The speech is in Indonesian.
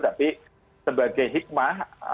tapi sebagai hikmah